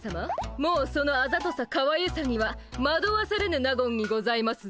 もうそのあざとさかわゆさにはまどわされぬ納言にございますぞ。